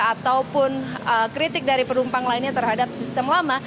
ataupun kritik dari penumpang lainnya terhadap sistem lama